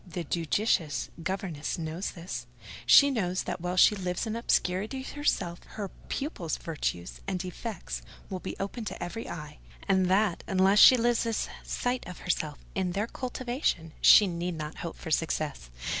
The judicious governess knows this: she knows that, while she lives in obscurity herself, her pupils' virtues and defects will be open to every eye; and that, unless she loses sight of herself in their cultivation, she need not hope for success.